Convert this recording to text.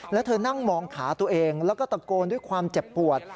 แล้วเธอนั่งมองขาตัวเองแล้วก็ตะโกนด้วยความเจ็บปวด